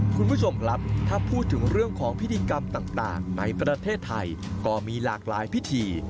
คุณผู้ชมครับถ้าพูดถึงเรื่องของพิธีกรรมต่างในประเทศไทยก็มีหลากหลายพิธี